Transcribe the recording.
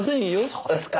そうですか。